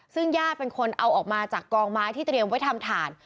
ซึ่งญาติเป็นคนเอาออกมาจากกองไม้ที่เตรียมไว้ทำถ่าน